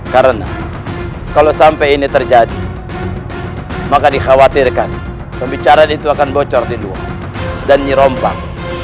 karena kalau sampai ini terjadi maka dikhawatirkan pembicaraan itu akan bocor di luar dan dirompak